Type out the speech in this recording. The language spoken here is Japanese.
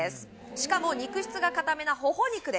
しかも肉質が硬めなホホ肉です